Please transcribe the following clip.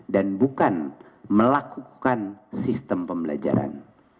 dan bukan melakukan sistem pembelajaran